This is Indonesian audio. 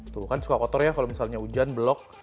tuh kan suka kotor ya kalau misalnya hujan blok